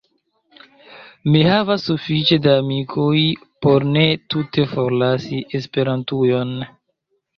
Mi havas sufiĉe da amikoj por ne tute forlasi Esperantujon.